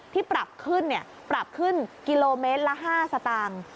ปรับขึ้นปรับขึ้นกิโลเมตรละ๕สตางค์